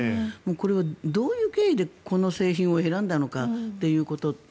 これはどういう経緯でこの製品を選んだのかっていうこと